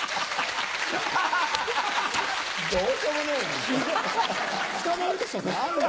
どうしようもねえな！